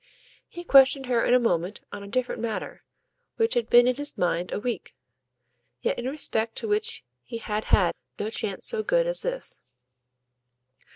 He questioned her in a moment on a different matter, which had been in his mind a week, yet in respect to which he had had no chance so good as this.